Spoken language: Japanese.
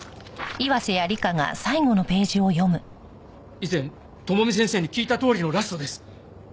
以前智美先生に聞いたとおりのラストです。